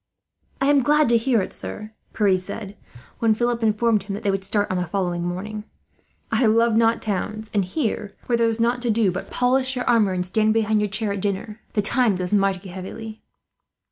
"I am glad to hear it, sir," Pierre said, when Philip informed him that they would start on the following morning. "I love not towns; and here, where there is nought to do but to polish your armour, and stand behind your chair at dinner, the time goes mighty heavily."